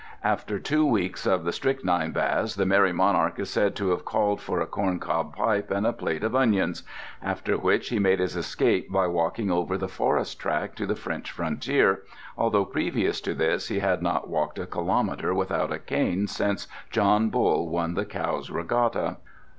After two weeks of the strychnine baths the merry monarch is said to have called for a corncob pipe and a plate of onions, after which he made his escape by walking over the forest track to the French frontier, although previous to this he had not walked a kilometer without a cane since John Bull won the Cowes regatta.